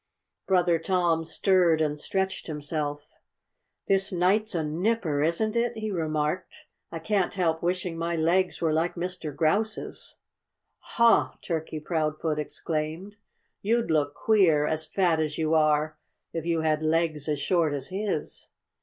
Brother Tom stirred and stretched himself. "This night's a nipper, isn't it?" he remarked. "I can't help wishing my legs were like Mr. Grouse's." "Huh!" Turkey Proudfoot exclaimed. "You'd look queer as fat as you are if you had legs as short as his."